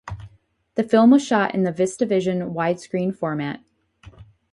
The film was shot in the VistaVision wide-screen format.